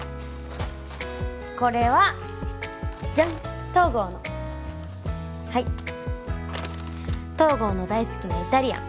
これはジャン東郷のはい東郷の大好きなイタリアン